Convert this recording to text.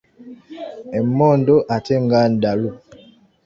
Emmondo ate nga ndalu .